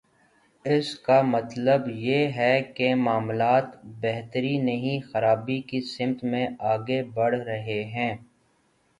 اس کا مطلب یہ ہے کہ معاملات بہتری نہیں، خرابی کی سمت میں آگے بڑھ رہے ہیں۔